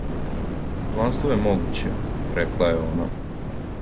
Чланство је могуће, рекла је она.